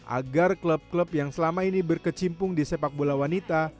agar klub klub yang selama ini berkecimpung di sepak bola wanita